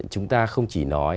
chúng ta không chỉ nói